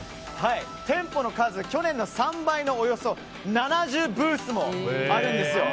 店舗の数、去年の３倍のおよそ７０ブースもあるんですよ。